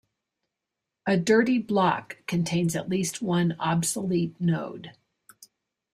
A "dirty" block contains at least one "obsolete" node.